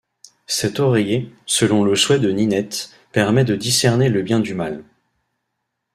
Cet oreiller, selon le souhait de Ninette, permet de discerner le bien du mal.